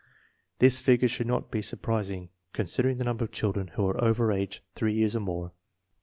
This figure should not be surprising, considering the number of children who are over age three years or more.